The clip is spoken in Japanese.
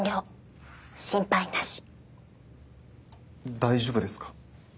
大丈夫ですか？